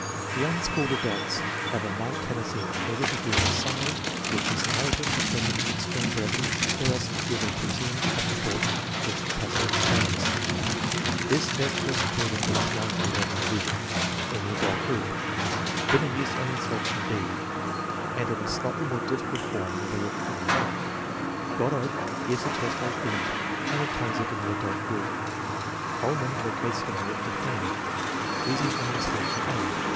The unschooled adults have a marked tendency either to give a summary which is in adequate because of its extreme brevity, or else to give a criticism of the thought which the passage contains. This test first appeared in Binet's 1911 revision, in the adult group. Binet used only selection (&), and in a slightly more difficult form than we have given above. Goddard gives the test like Binet and retains it in the adult group. Kuhlmann locates it in year XV, using only selection (a).